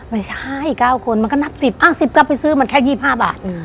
ไม่ใช่เก้าคนมันก็นับสิบอ้าสิบก็ไปซื้อมันแค่ยี่พาบาทอืม